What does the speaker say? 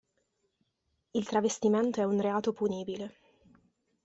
Il travestimento è un reato punibile.